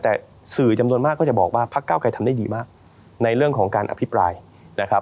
แต่สื่อจำนวนมากก็จะบอกว่าพักเก้าไกรทำได้ดีมากในเรื่องของการอภิปรายนะครับ